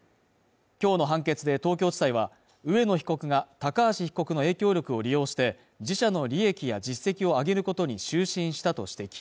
今日の判決で東京地裁は植野被告が高橋被告の影響力を利用して、自社の利益や実績を上げることに執心したと指摘。